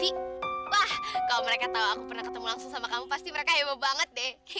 wah kalau mereka tahu aku pernah ketemu langsung sama kamu pasti mereka heboh banget deh